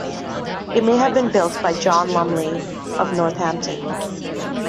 It may have been built by John Lumley of Northampton.